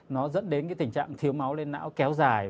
nó dẫn đến cái tình trạng thiếu máu lên não kéo dài